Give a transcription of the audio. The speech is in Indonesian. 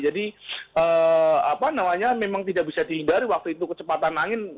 jadi memang tidak bisa dihindari waktu itu kecepatan angin